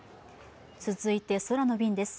続いて空の便です。